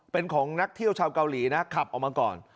เป็นของนักเที่ยวชาวเกาหลีนะขับออกมาก่อน